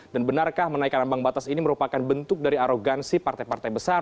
dan benarkah menaikkan ambang batas ini merupakan bentuk dari arogansi partai partai besar